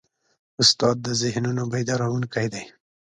استاد د ذهنونو بیدارونکی دی.